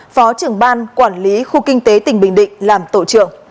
phó trưởng ban quản lý khu kinh tế tỉnh bình định làm tổ trưởng